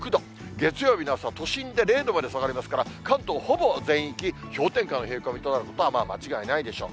月曜日の朝は都心で０度まで下がりますから、関東ほぼ全域、氷点下の冷え込みとなることはまあ間違いないでしょう。